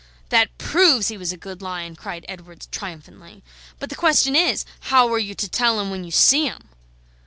"That PROVES he was a good lion," cried Edwards triumphantly. "But the question is, how are you to tell 'em when you see 'em?"